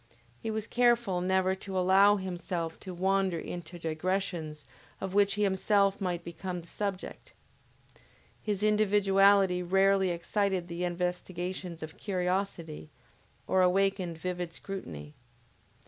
He was careful never to allow himself to wander into digressions of which he himself might become the subject. His individuality rarely excited the investigations of curiosity, or awakened vivid scrutiny.